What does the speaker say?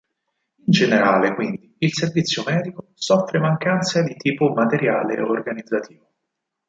In generale quindi il servizio medico soffre mancanze di tipo materiale e organizzativo.